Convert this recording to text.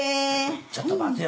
ちょっと待てよ。